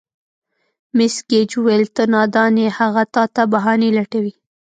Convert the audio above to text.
مېس ګېج وویل: ته نادان یې، هغه تا ته بهانې لټوي.